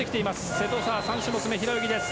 瀬戸、３種目め、平泳ぎです。